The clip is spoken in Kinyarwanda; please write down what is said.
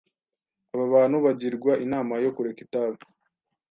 Aba bantu bagirwa inama yo kureka itabi,